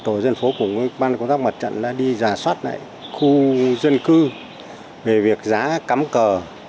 tổ dân phố cùng với ban công tác mặt trận đã đi giả soát lại khu dân cư về việc giá cắm cờ